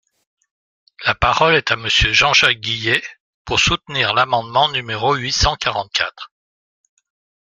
La parole est à Monsieur Jean-Jacques Guillet, pour soutenir l’amendement numéro huit cent quarante-quatre.